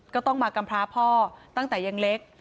ก็ต้องมากำพร้าพ่อตั้งแต่ยังเล็ก